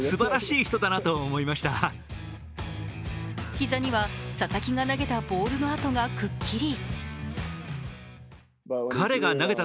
膝には、佐々木が投げたボールの痕がくっきり。